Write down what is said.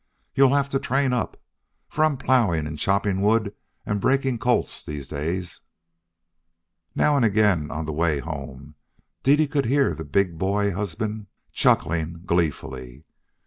You'll have to train up, for I'm ploughing and chopping wood and breaking colts these days." Now and again, on the way home, Dede could hear her big boy husband chuckling gleefully.